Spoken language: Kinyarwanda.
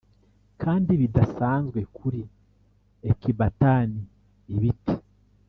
kandi bidasanzwe kuri ecbatan ibiti